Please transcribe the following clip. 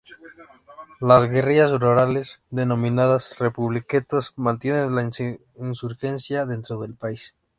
Las guerrillas rurales, denominadas Republiquetas, mantienen la insurgencia dentro del país.